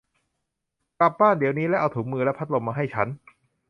กลับบ้านเดี๋ยวนี้และเอาถุงมือและพัดลมมาให้ฉัน